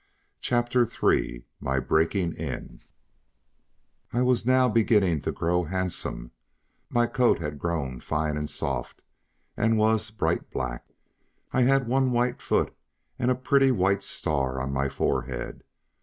CHAPTER III MY BREAKING IN I was now beginning to grow handsome, my coat had grown fine and soft, and was bright black. I had one white foot and a pretty white star on my forehead.